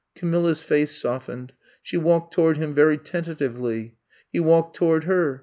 '' Camilla's face softened, she walked to ward him very tentatively. He walked to ward her.